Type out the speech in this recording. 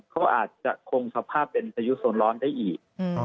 เขาอาจจะคงสภาพเป็นพายุโซนร้อนได้อีก